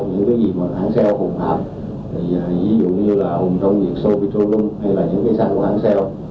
những cái gì mà hãng xeo hùng hạp thì ví dụ như là hùng trong việc xô bị trôi lung hay là những cái xăng của hãng xeo